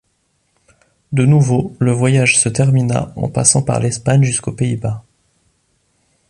De nouveau, le voyage se termina en passant par l’Espagne jusqu’aux Pays-Bas.